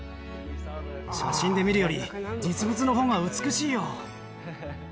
写真で見るより実物の方が美しいよ。